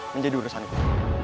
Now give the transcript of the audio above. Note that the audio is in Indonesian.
menjadi urusan itu